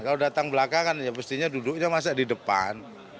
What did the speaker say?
kalau datang belakangan ya pastinya duduknya masa di depan